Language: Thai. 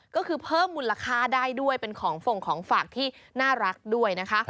ก็คือเพิ่มมูลค่าได้ด้วยเป็นของฝงของฝากที่น่ารักด้วยนะคะ